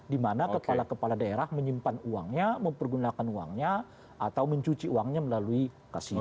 di mana kepala kepala daerah menyimpan uangnya mempergunakan uangnya atau mencuci uangnya melalui kasino